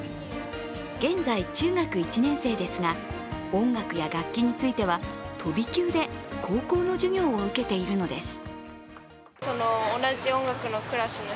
現在中学１年生ですが、音楽や楽器については飛び級で高校の授業を受けているのです。